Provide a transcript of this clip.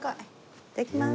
いただきます。